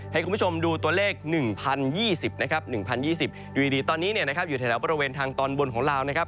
ให้คุณผู้ชมดูตัวเลข๑๐๒๐นะครับ๑๐๒๐อยู่ดีตอนนี้อยู่แถวบริเวณทางตอนบนของลาวนะครับ